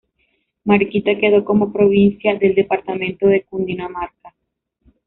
Mariquita quedó como provincia del departamento de Cundinamarca.